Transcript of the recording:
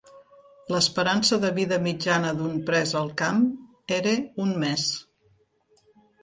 L'esperança de vida mitjana d'un pres al camp era un mes.